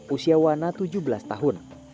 usia wana tujuh belas tahun